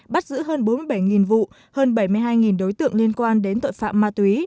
bắt giữ hơn bốn mươi bảy vụ hơn bảy mươi hai đối tượng liên quan đến tội phạm ma túy